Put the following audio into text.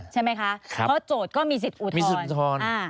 ใช่ไหมคะเพราะโจทย์ก็มีสิทธิอุทธรณ์